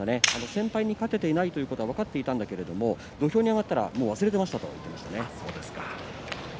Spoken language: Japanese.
先輩に勝てていないということは分かっていたんだけれども土俵に上がったら忘れていましたと言っていました。